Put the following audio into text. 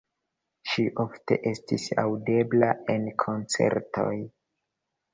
Ŝi ofte estis aŭdebla en koncertoj.